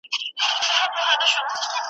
په لمبو کي مځکه سره لکه تبۍ ده .